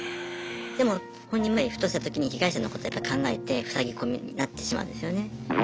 でも本人もふとしたときに被害者のことやっぱ考えてふさぎ込みになってしまうんですよね。